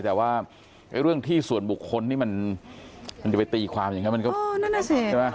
แต่ว่าเรื่องที่ส่วนบุคคลนี่มันมันจะไปตีความอย่างนี้